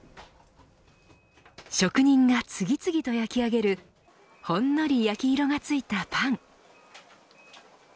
職人が次々と焼き上げるほんのり焼き色がついたパン。